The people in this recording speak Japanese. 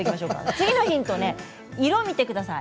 次のヒント色を見てください。